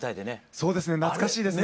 そうですね懐かしいですね。